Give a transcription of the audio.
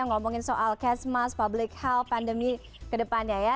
ngomongin soal cash mask public health pandemi kedepannya ya